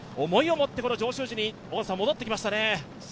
思いを持ってこの上州路に戻ってきましたね。